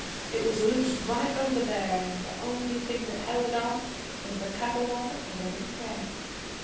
It was loose right over there, an' the only thing that held it off was the cup of water an' the little prayer.